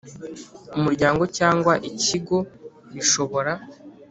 Umuryango cyangwa Ikigo bishobora